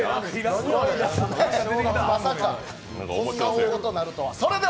まさかこんな大事になるとは。